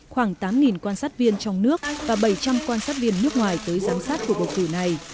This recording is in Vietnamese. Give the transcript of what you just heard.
khoảng tám quan sát viên trong nước và bảy trăm linh quan sát viên nước ngoài tới giám sát cuộc bầu cử này